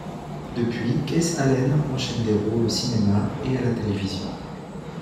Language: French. Depuis, Keith Allen enchaîne des rôles au cinéma et à la télévision.